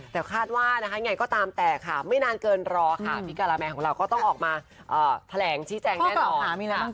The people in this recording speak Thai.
แต่คาดว่านะคะยังไงก็ตามแต่ค่ะไม่นานเกินรอค่ะพี่การาแมนของเราก็ต้องออกมาแถลงชี้แจงแน่นอน